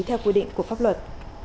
theo quy định của pháp luật